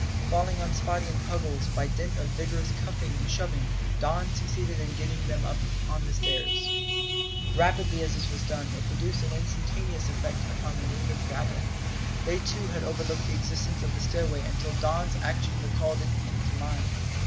Falling on Spottie and Puggles, by dint of vigorous cuffing and shoving Don succeeded in getting them on the stairs. Rapidly as this was done, it produced an instantaneous effect upon the native rabble. They too had overlooked the existence of the stairway until Don's action recalled it to mind.